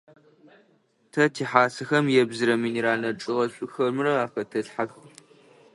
Тэ тихьасэхэм ебзырэ минеральнэ чӏыгъэшӏухэмрэ ахэтэлъхьэх.